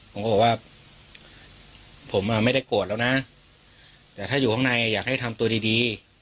ผมก็บอกว่าผมอ่ะไม่ได้โกรธแล้วนะแต่ถ้าอยู่ข้างในอยากให้ทำตัวดีดี